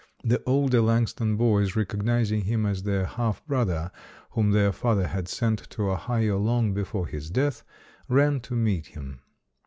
The older Langston boys, recognizing him as their half brother, whom their father had sent to Ohio long before his death, ran to meet him.